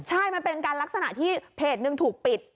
ใช่มันเป็นการลักษณะที่เพจหนึ่งถูกปิด